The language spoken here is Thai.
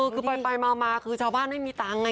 คือไปมาคือชาวบ้านไม่มีตังค์ไง